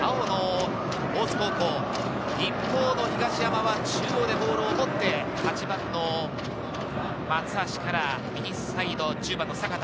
東山は中央でボールを持って、８番の松橋から右サイド、１０番の阪田。